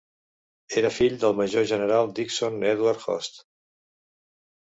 Era fill del major general Dixon Edward Hoste.